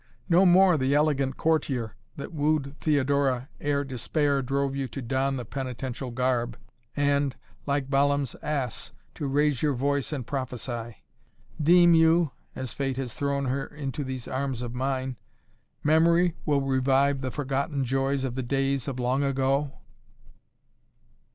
No more the elegant courtier that wooed Theodora ere despair drove you to don the penitential garb and, like Balaam's ass, to raise your voice and prophesy! Deem you as fate has thrown her into these arms of mine memory will revive the forgotten joys of the days of long ago?"